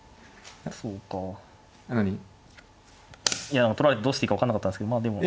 いや取られてどうしていいか分かんなかったんですけどまあでも。